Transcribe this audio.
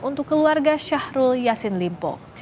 untuk keluarga syahrul yassin limpo